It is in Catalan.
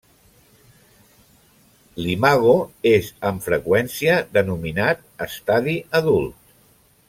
L'imago és amb freqüència denominat estadi adult.